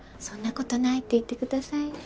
そんなことないって言ってください。